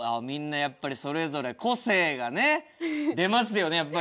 みんなやっぱりそれぞれ個性がね出ますよね